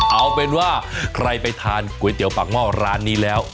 เอาเป็นว่าใครไปทานก๋วยเตี๋ยวปากหม้อร้านนี้แล้ว